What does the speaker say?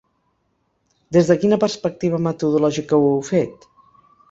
Des de quina perspectiva metodològica ho heu fet?